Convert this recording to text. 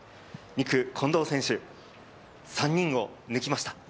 ２区・近藤選手、３人３人抜きました。